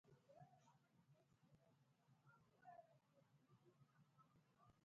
Rose Hill High School is located on the southern edge of Rose Hill.